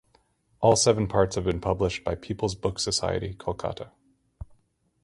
All seven parts have been published by Peoples's Book Society, Kolkata.